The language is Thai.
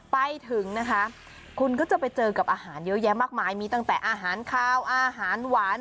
ไปถึงนะคะคุณก็จะไปเจอกับอาหารเยอะแยะมากมายมีตั้งแต่อาหารคาวอาหารหวาน